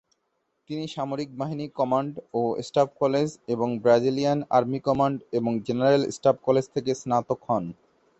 তিনি সামরিক বাহিনী কমান্ড ও স্টাফ কলেজ এবং ব্রাজিলিয়ান আর্মি কমান্ড এবং জেনারেল স্টাফ কলেজ থেকে স্নাতক হন।